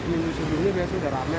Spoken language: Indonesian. di indonesia dunia biasanya udah rame